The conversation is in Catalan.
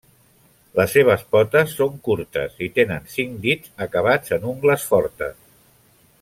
Les seves potes són curtes i tenen cinc dits acabats en ungles fortes.